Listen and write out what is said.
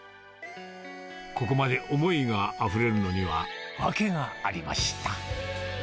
ここまで思いがあふれるのには訳がありました。